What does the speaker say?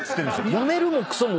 やめるもクソも。